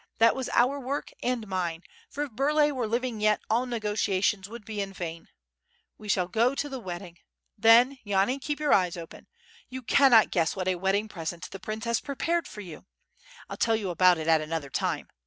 That was our work, and mine, for if Burlay were living yet all nego tiations would be in vain. We shall go to the wedding. Then, Yani, keep your eyes open. You cannot guess w^hat a wedding present the prince has prepared for you? J '11 tell you about it at another time.